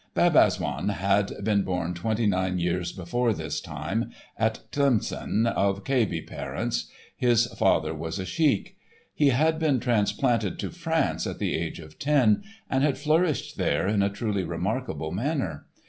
Bab Azzoun had been born twenty nine years before this time, at Tlemcen, of Kabyle parents (his father was a sheik). He had been transplanted to France at the age of ten, and had flourished there in a truly remarkable manner.